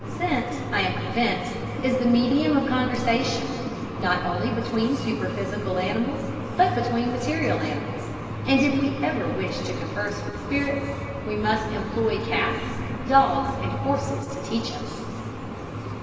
Scent, I am convinced, is the medium of conversation, not only between superphysical animals, but between material animals, and if we ever wish to converse with spirits we must employ cats, dogs, and horses to teach us.